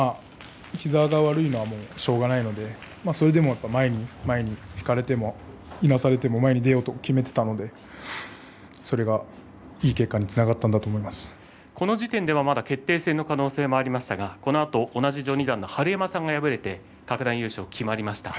膝が悪いのは、しょうがないのでそれでもやっぱり前に前に引かれても、いなされても前に出ようと決めていたのでそれがいい結果にこの時点ではまだ決定戦の可能性がありますがこのあと同じ序二段の春山さんが敗れて各段優勝が決まりました。